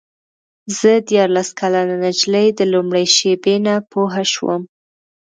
زه دیارلس کلنه نجلۍ د لومړۍ شېبې نه پوه شوم.